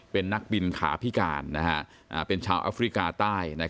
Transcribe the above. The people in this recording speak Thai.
เป็นนักบินขาพิการเป็นชาวแอฟริกาใต้